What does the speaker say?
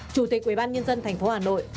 chủ tịch ubnd tp hà nội